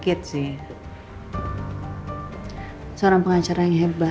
seorang pemerintah yang berpikir saya harus mencari anak anak yang lebih baik